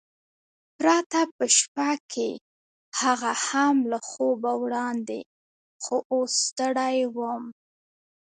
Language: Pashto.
پرته په شپه کې، هغه هم له خوبه وړاندې، خو اوس ستړی وم.